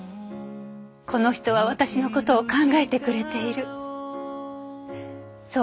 この人は私の事を考えてくれているそう